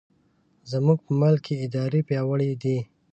زموږ په ملک کې ادارې پیاوړې دي.